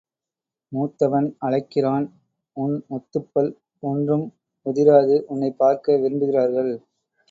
மூத்தவன் அழைக்கிறான் உன்முத்துப் பல் ஒன்றும் உதிராது உன்னைப்பார்க்க விரும்புகிறார்கள்.